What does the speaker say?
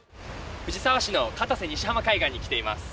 藤沢市の片瀬西浜海岸に来ています。